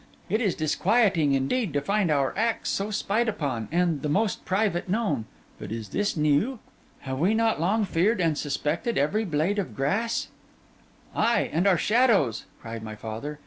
It is disquieting, indeed, to find our acts so spied upon, and the most private known. But is this new? Have we not long feared and suspected every blade of grass?' 'Ay, and our shadows!' cried my father.